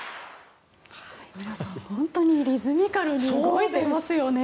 皆さん本当にリズミカルに動いていますよね。